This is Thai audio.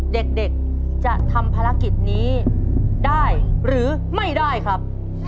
เด็กจะทำภารกิจนี้ได้หรือไม่ได้ครับ